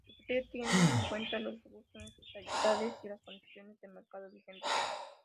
Su criterio tiene en cuenta los gustos, necesidades y las condiciones de mercado vigentes.